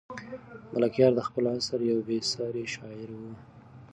ملکیار د خپل عصر یو بې ساری شاعر و.